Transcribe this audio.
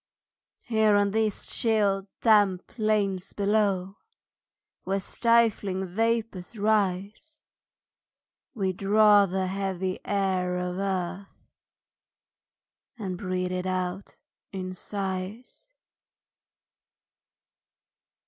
Here on these chill, damp plains below, Where stifling vapors rise, We draw the heavy air of earth, And breathe it out in sighs.